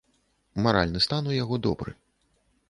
Маральны стан у яго добры.